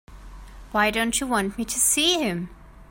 Why don't you want me to see him?